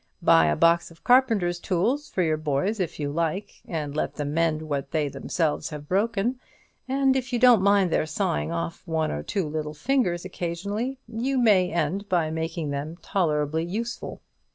Buy a box of carpenter's tools for your boys, if you like, and let them mend what they themselves have broken; and, if you don't mind their sawing off one or two of their fingers occasionally, you may end by making them tolerably useful.